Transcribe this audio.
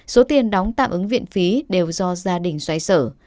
số tiền đóng tạm ứng viện phí đều do gia đình xoay sở